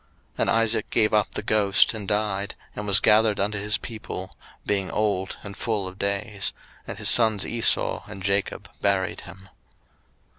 01:035:029 And Isaac gave up the ghost, and died, and was gathered unto his people, being old and full of days: and his sons Esau and Jacob buried him.